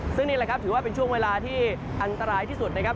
ซึ่งนี่แหละครับถือว่าเป็นช่วงเวลาที่อันตรายที่สุดนะครับ